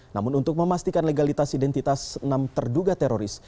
namun untuk memastikan legalitas identitas enam terduga teroris